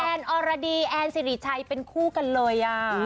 แอนอรดีแอนสิริชัยเป็นคู่กันเลย